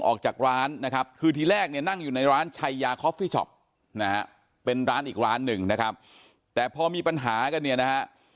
ออกจากร้านนะครับคือทีแรกเนี่ยนั่งอยู่ในร้านชัยยาคอฟฟี่ช็อปนะฮะเป็นร้านอีกร้านหนึ่งนะครับแต่พอมีปัญหากันเนี่ยนะฮะ